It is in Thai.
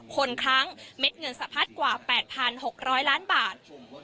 คนครั้งเม็ดเงินสะพัดกว่า๘๖๐๐ล้านบาท